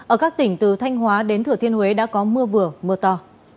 ở các tỉnh từ thanh hóa đến thừa thiên huế đã có mưa vừa mưa to